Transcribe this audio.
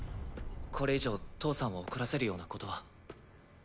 これ以上父さんを怒らせるようなことは。